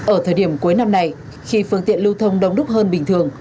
ở thời điểm cuối năm này khi phương tiện lưu thông đông đúc hơn bình thường